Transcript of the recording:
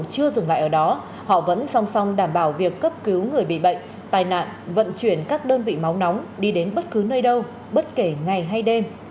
trong đó họ vẫn song song đảm bảo việc cấp cứu người bị bệnh tài nạn vận chuyển các đơn vị máu nóng đi đến bất cứ nơi đâu bất kể ngày hay đêm